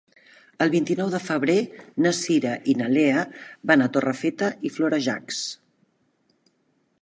El vint-i-nou de febrer na Cira i na Lea van a Torrefeta i Florejacs.